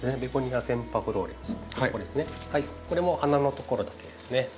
これも花のところだけですね。